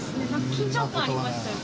緊張感ありましたよね。